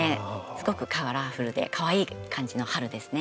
すごくカラフルでかわいい感じの春ですね。